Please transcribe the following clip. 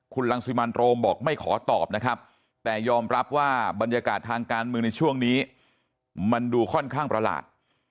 คุณรังสิมันโรมบอกไม่ขอตอบนะครับแต่ยอมรับว่าบรรยากาศทางการเมืองในช่วงนี้มันดูค่อนข้างประหลาด